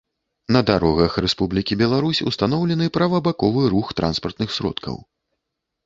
На дарогах Рэспублікі Беларусь устаноўлены правабаковы рух транспартных сродкаў